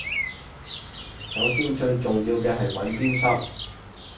首先最重要嘅係揾編輯